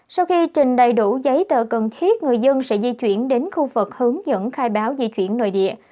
sau khi trình đầy đủ giấy tờ cần thiết người dân sẽ di chuyển đến khu vực hướng dẫn khai báo di chuyển nội địa